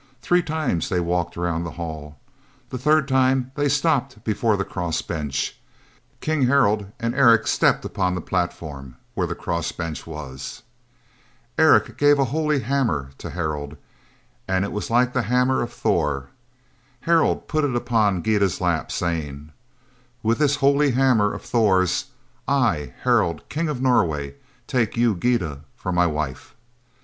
Three times they walked around the hall. The third time they stopped before the cross bench. King Harald and Eric stepped upon the platform, where the cross bench was. Eric gave a holy hammer to Harald, and it was like the hammer of Thor. Harald put it upon Gyda's lap, saying: "With this holy hammer of Thor's, I, Harald, King of Norway, take you, Gyda, for my wife."